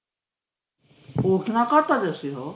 大きかったですよ。